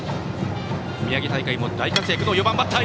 宮城大会も大活躍の４番バッター。